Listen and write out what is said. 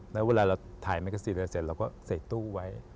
แล้วเวลาเราถ่ายแม็กซินด้วยเสร็จเราก็เก็บตู้ไว้